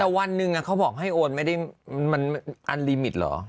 แต่วันหนึ่งเขาบอกให้โอนไม่ได้มันอันลิมิตเหรอ